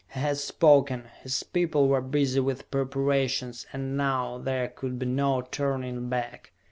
He had spoken, his people were busy with preparations, and now there could be no turning back.